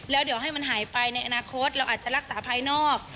แล้วเดี๋ยวให้มันหายไปในอนาคตเราอาจจะรักษาภายนอก